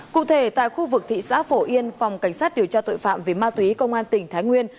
cụ thể tại khu vực thị xã phổ yên phòng cảnh sát điều tra tội phạm về ma túy công an tỉnh thái nguyên